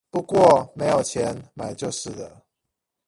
不過沒有錢買就是了